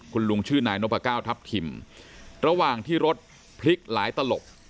คุณลุงชื่อนายนพก้าวทัพทิมระหว่างที่รถพลิกหลายตลบ